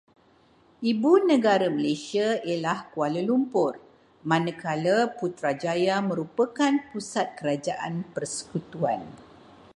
Ibu negara Malaysia ialah Kuala Lumpur, manakala Putrajaya merupakan pusat kerajaan persekutuan.